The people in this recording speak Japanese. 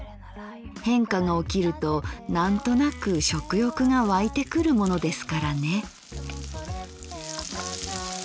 変化が起きるとなんとなく食欲がわいてくるものですからね」。